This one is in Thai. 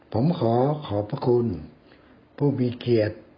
ผมขอขอบพระคุณผู้มีเกียรติ